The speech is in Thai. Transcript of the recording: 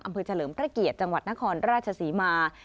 อำเภอเฉลิมตะเกียจังหวัดนครราชศรีมา